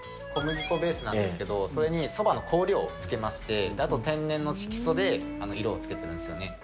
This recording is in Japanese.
小麦粉ベースなんですけれども、それにそばの香料をつけまして、あと天然の色素で色をつけてるんですよね。